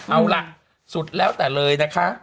เอาล่ะสุดแล้วแต่เลยนะคะ